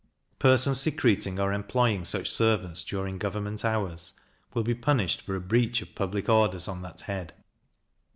Persons secreting or employing such servants during government hours, will be punished for a breach of public orders on that head.